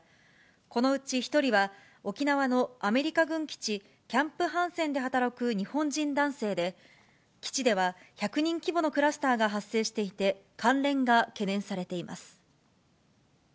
このうち１人は、沖縄のアメリカ軍基地、キャンプ・ハンセンで働く日本人男性で、基地では、１００人規模のクラスターが発生していて、関連が懸念されています。